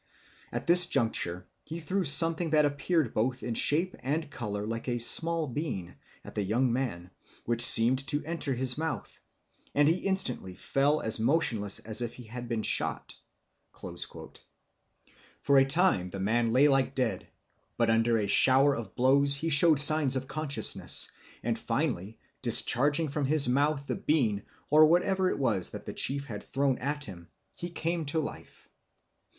At this juncture he threw something that appeared both in shape and colour like a small bean, at the young man, which seemed to enter his mouth, and he instantly fell as motionless as if he had been shot." For a time the man lay like dead, but under a shower of blows he showed signs of consciousness, and finally, discharging from his mouth the bean, or whatever it was that the chief had thrown at him, he came to life.